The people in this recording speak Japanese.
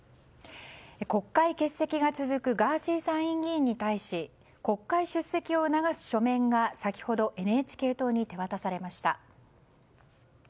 国会欠席が続くガーシー参院議員に対し国会出席を促す書面が先ほどＮＨＫ党に手渡されました。